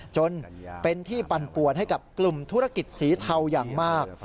จนเป็นที่ปั่นป่วนให้กับกลุ่มธุรกิจสีเทาอย่างมาก